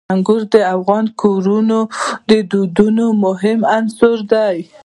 انګور د افغان کورنیو د دودونو مهم عنصر دی.